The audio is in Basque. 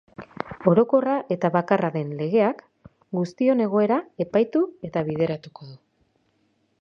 Orokorra eta bakarra den legeak, guztion egoera epaitu eta bideratuko du.